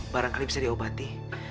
barangkali bisa diobati